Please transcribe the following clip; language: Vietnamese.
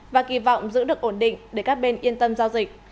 và kỳ vọng giữ được ổn định để các bên yên tâm giao dịch